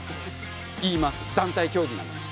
言います団体競技なのに。